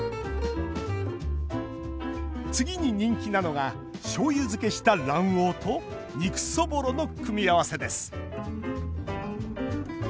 次に人気なのがしょうゆ漬けした卵黄と肉そぼろの組み合わせです。